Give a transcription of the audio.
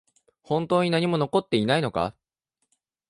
本当に何も残っていないのか？